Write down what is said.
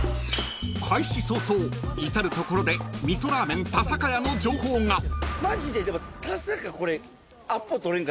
［開始早々至る所で味噌ラーメン田坂屋の情報が］マジで。